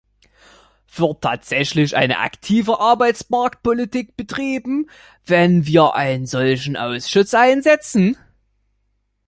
Wird tatsächlich eine aktive Arbeitsmarktpolitik betrieben, wenn wir einen solchen Ausschuss einsetzen?